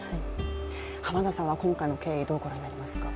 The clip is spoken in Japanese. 浜田さんは今回の経緯、どうご覧になりますか？